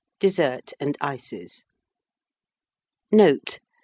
DESSERT AND ICES. _Note.